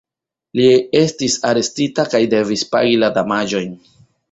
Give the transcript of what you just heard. Li estis arestita kaj devis pagi la damaĝojn.